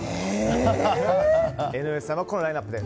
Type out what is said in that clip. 江上さんはこのラインアップで。